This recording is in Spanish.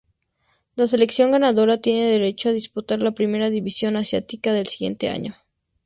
La selección ganadora tiene derecho a disputar la primera división asiática del siguiente año.